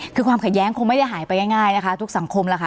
คือความขัดแย้งคงไม่ได้หายไปง่ายนะคะทุกสังคมล่ะค่ะ